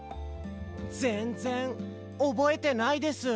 ぜんぜんおぼえてないです。